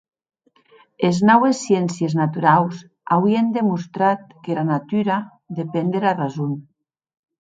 Es naues sciéncies naturaus auien demostrat qu'era natura depen dera rason.